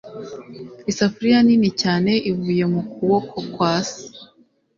isafuriya nini cyane ivuye mu kuboko kwa se